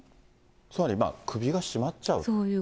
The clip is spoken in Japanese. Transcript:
つまり首が絞まっちゃうという。